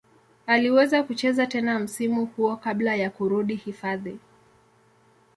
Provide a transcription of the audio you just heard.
Aliweza kucheza tena msimu huo kabla ya kurudi hifadhi.